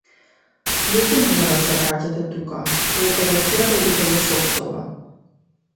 Веќе нема да се враќате тука, по операцијата одите во шок соба.